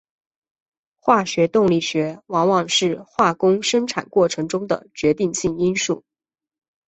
化学动力学往往是化工生产过程中的决定性因素。